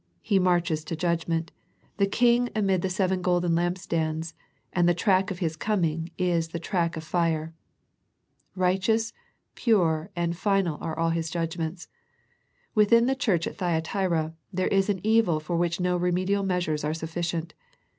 He marches to judgment, the King amid the The Thyatira Letter 1 1 3 seven golden lampstands, and the track of His coming is the track of fire. Righteous, pure, and final are all His judgments. Within the church at Thyatira there is an evil for which no remedial measures are sufficient.